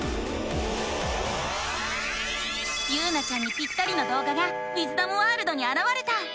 ゆうなちゃんにピッタリのどう画がウィズダムワールドにあらわれた！